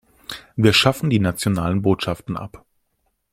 Wir schaffen die nationalen Botschaften ab.